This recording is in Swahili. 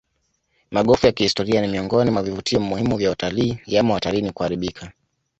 Magofu ya kihistoria ni miongoni mwa vivutio muhimu vya utalii yamo hatarini kuharibika